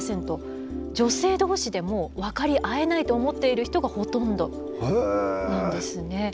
女性どうしでも分かり合えないと思っている人がほとんどなんですね。